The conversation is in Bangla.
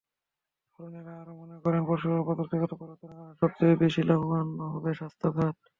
তরুণেরা আরও মনে করেন, প্রযুক্তিগত পরিবর্তনের কারণে সবচেয়ে বেশি লাভবান হবে স্বাস্থ্য খাত।